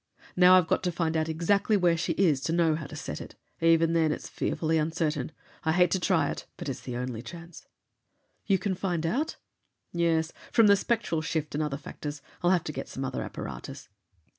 "Now, I've got to find out exactly where she is, to know how to set it. Even then it's fearfully uncertain. I hate to try it, but it's the only chance. "You can find out?" "Yes. From the spectral shift and other factors. I'll have to get some other apparatus."